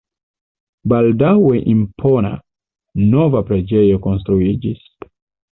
Baldaŭe impona, nova preĝejo konstruiĝis.